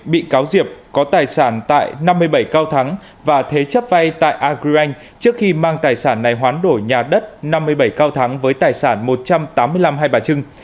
bị cáo diệp có tài sản tại năm mươi bảy cao thắng và thế chấp vay tại agribank trước khi mang tài sản này hoán đổi nhà đất năm mươi bảy cao thắng với tài sản một trăm tám mươi năm hai bà trưng